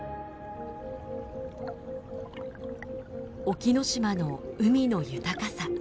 沖ノ島の海の豊かさ。